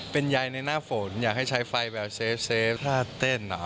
เป็นยายในหน้าฝนอยากให้ใช้ไฟแบบเซฟเซฟถ้าเต้นน่ะ